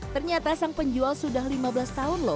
ternyata sang penjual sudah lima belas tahun lho